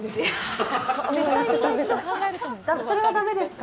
それはダメですか？